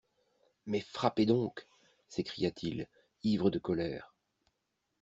Mais frappez donc ! s'écria-t-il, ivre de colère.